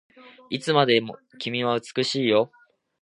いつまでも君は美しいよ